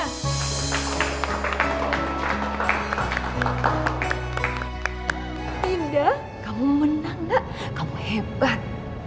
hamidah kamu menang kak kamu hebat